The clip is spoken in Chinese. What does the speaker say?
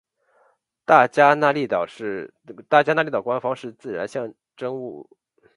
大加那利岛官方的自然象征物是。